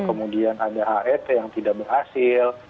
kemudian ada het yang tidak berhasil